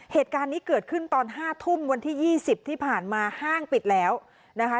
เหตุการณ์นี้เกิดขึ้นตอน๕ทุ่มวันที่๒๐ที่ผ่านมาห้างปิดแล้วนะคะ